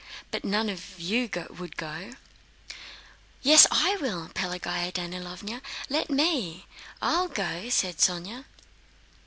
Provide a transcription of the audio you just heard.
"But none of you would go?" "Yes, I will; Pelagéya Danílovna, let me! I'll go," said Sónya.